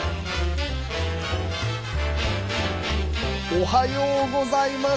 おはようございます。